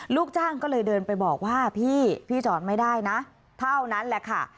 ลูกจ้างก็เลยเดินไปบอกว่าพี่พี่จอดไม่ได้นะเท่านั้นแหละค่ะ